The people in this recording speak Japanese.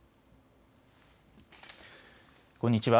こんにちは。